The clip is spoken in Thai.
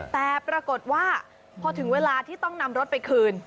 แต่ปรากฏว่าพอถึงเวลาที่ต้องนำรถไปคืน